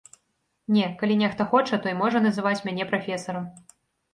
Не, калі нехта хоча, той можа называць мяне прафесарам.